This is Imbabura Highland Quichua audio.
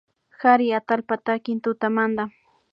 Kari atallpa takik tutamanta